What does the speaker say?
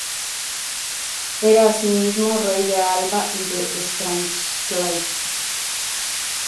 Era asimismo rey de Alba y de Strathclyde.